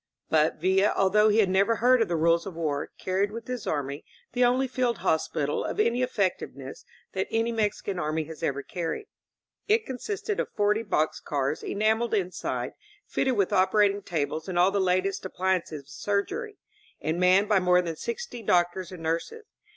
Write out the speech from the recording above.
But Villa, although he had never heard of the Rules of War, carried with his army the only field hospital of any effectiveness that any Mexican army has ever carried. It consisted of forty box cars enameled in side, fitted with operating tables and all the latest appliances of surgery, and manned by more than sixty doctors and nurses.